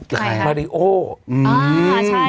ใครครับมาริโออืมใช่